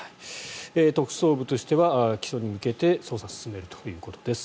特捜部としては起訴に向けて捜査を進めるということです。